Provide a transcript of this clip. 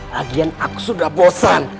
lagian aku sudah bosan